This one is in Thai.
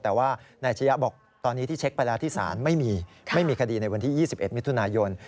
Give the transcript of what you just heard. แต่ว่านายชะยะบอกตอนนี้ที่เช็คไปแล้วที่ศาลไม่มีไม่มีคดีในวันที่๒๑มิถุนายน